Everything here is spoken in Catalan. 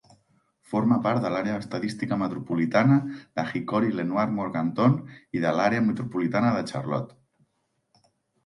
Forma part de l'Àrea estadística metropolitana de Hickory-Lenoir-Morganton i de l'Àrea Metropolitana de Charlotte.